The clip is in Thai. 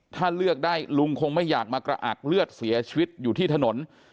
ถ้าเลือกได้ลุงคงไม่อยากมากระอักเลือดเสียชีวิตอยู่ที่ถนน